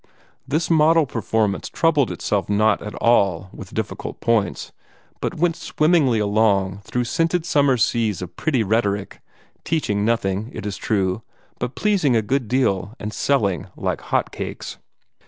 This model performance troubled itself not at all with difficult points, but went swimmingly along through scented summer seas of pretty rhetoric, teaching nothing, it is true, but pleasing a good deal and selling like hot cakes.